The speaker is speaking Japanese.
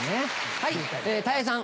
はいたい平さん。